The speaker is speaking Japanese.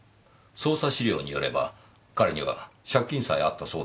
捜査資料によれば彼には借金さえあったそうですよ。